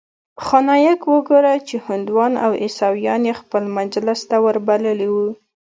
خو نايک وګوره چې هندوان او عيسويان يې خپل مجلس ته وربللي وو.